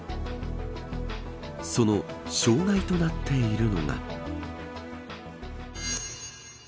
その障害となっているのが。